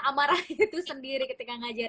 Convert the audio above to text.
amarah itu sendiri ketika ngajar